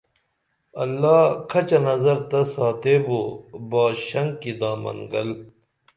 اللہ کھچہ نظر تہ ساتیبو باش شنکی دامن گل